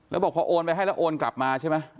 แล้วบอกพอโอนไปให้แล้วโอนกลับมาใช่ไหม